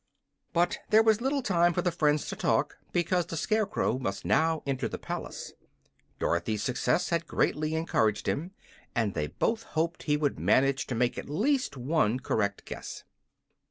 But there was little time for the friends to talk, because the Scarecrow must now enter the palace. Dorothy's success had greatly encouraged him, and they both hoped he would manage to make at least one correct guess.